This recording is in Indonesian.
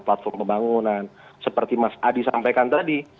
platform pembangunan seperti mas adi sampaikan tadi